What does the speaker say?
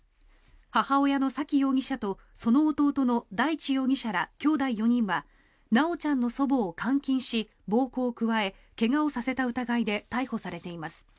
母親の沙喜容疑者とその弟の大地容疑者らきょうだい４人は修ちゃんの祖母を監禁し暴行を加え怪我をさせた疑いで逮捕されています。